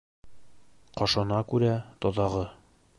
Ҡошона күрә тоҙағы.